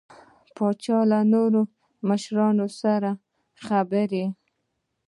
پاچا له نورو مشرانو سره خبرې